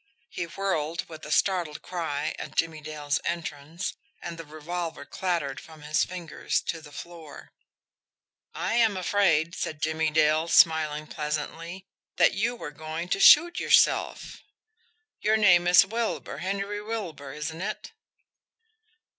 He whirled, with a startled cry, at Jimmie Dale's entrance, and the revolver clattered from his fingers to the floor. "I am afraid," said Jimmie Dale, smiling pleasantly, "that you were going to shoot yourself. Your name is Wilbur, Henry Wilbur, isn't it?"